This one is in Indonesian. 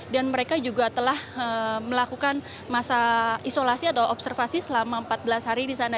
dan mereka juga telah melakukan masa isolasi atau observasi selama empat belas hari di sana